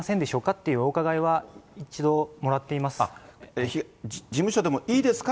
っていうお伺いは一事務所でもいいですか？